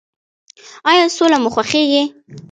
ایا سوله مو خوښیږي؟